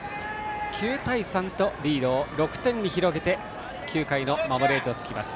９対３とリードを６点に広げて９回の守りへとつきます。